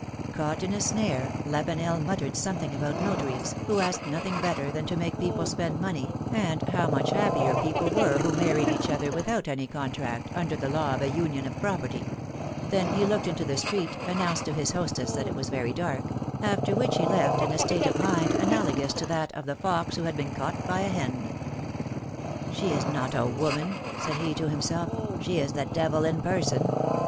Caught in a snare, Lavenel muttered something about notaries, wdio ask nothing better than to make people spend money, and how much happier joeople were who married each other without any contract, under the law of a union of property; then he looked into the street, philom^ine's marriages. 237 announced to his hostess that it was very dark ; after which he left ill a state of mind analogous to that of the fox who had been caught by a hen. ^'She is not a woman/^ said he to himself, ^^she is the devil in person